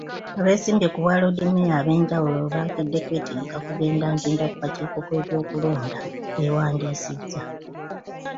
Abeesimbyewo ku Bwaloodimmeeya ab'enjawulo, bakedde kwetegeka kugenda Ntinda ku kakiiko k'ebyokulonda beewandiisiza.